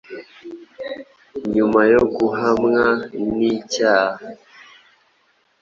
nyuma yo guhamwa n’icyaha